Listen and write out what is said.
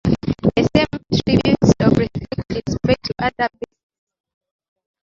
The same tribute of respect is paid to other beasts.